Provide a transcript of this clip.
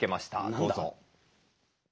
どうぞ。